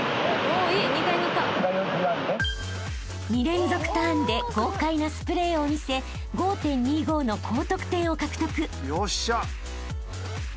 ［２連続ターンで豪快なスプレーを見せ５．２５の高得点を獲得］